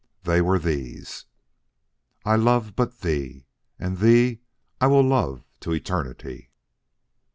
They were these: I love but thee, And thee will I love to eternity.